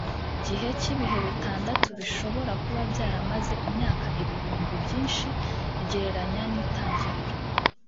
gihe cy ibihe bitandatu bishobora kuba byaramaze imyaka ibihumbi byinshi gereranya n itangiriro